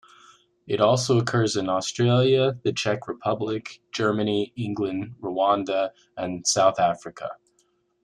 It also occurs in Australia, the Czech Republic, Germany, England, Rwanda and South Africa.